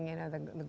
mereka membuat uang